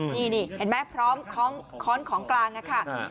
นี่เห็นไหมพร้อมค้อนของกลางค่ะ